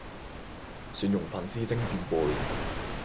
蒜蓉粉絲蒸扇貝